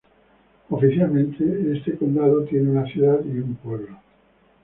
Oficialmente este condado tiene una ciudad y un pueblo.